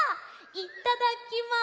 いただきます！